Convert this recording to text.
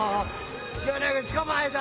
グルつかまえた。